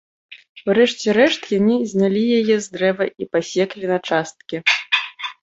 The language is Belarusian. У рэшце рэшт яны знялі яе з дрэва і пасеклі на часткі.